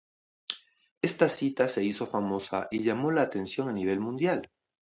Esta cita se hizo famosa y llamó la atención a nivel mundial.